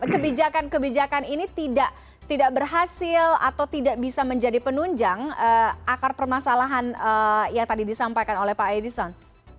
kebijakan kebijakan ini tidak berhasil atau tidak bisa menjadi penunjang akar permasalahan yang tadi disampaikan oleh pak edison